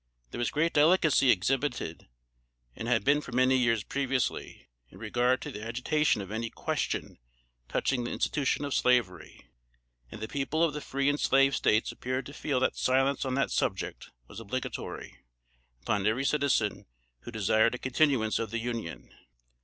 There was great delicacy exhibited, and had been for many years previously, in regard to the agitation of any question touching the institution of Slavery; and the people of the free and slave States appeared to feel that silence on that subject was obligatory upon every citizen who desired a continuance of the Union.